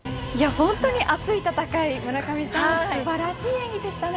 本当に熱い戦い村上さん素晴らしい演技でしたね